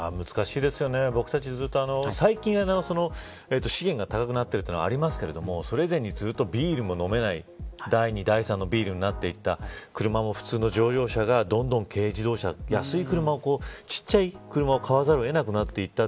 僕たちは最近、資源が高くなっているというのがありますがそれ以前にずっとビールも飲めない第２、第３のビールになっていった車も普通の乗用車がどんどん軽自動車、ちっちゃい車を買わざるを得なくなっていった。